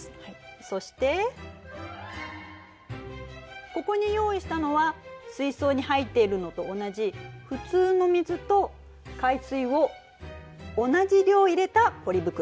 そしてここに用意したのは水槽に入っているのと同じ普通の水と海水を同じ量入れたポリ袋。